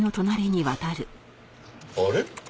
あれ？